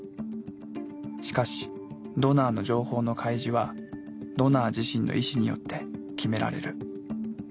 しかしドナーの情報の開示はドナー自身の意思によって決められる。